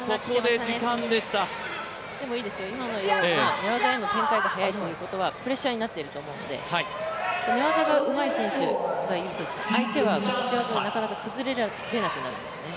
でもいいですよ、今のような寝技への展開が早いというのはプレッシャーになっていると思うので、寝技がうまい選手には、相手はなかなか崩れなくなるんですね。